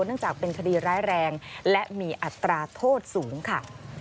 เนื่องจากเป็นคดีร้ายแรงและมีอัตราโทษสูงค่ะ